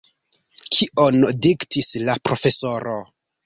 Kion diktis la profesoro?